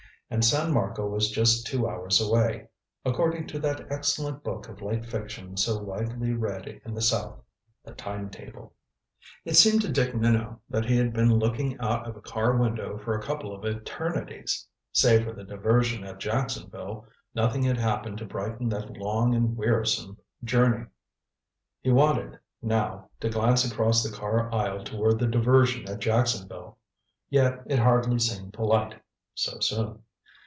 And San Marco was just two hours away, according to that excellent book of light fiction so widely read in the South the time table. It seemed to Dick Minot that he had been looking out of a car window for a couple of eternities. Save for the diversion at Jacksonville, nothing had happened to brighten that long and wearisome journey. He wanted, now, to glance across the car aisle toward the diversion at Jacksonville. Yet it hardly seemed polite so soon.